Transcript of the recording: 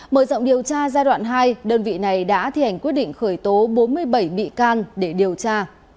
mở rộng điều tra giai đoạn hai đơn vị này đã thi hành quyết định khởi tố bốn mươi bảy bị can để điều tra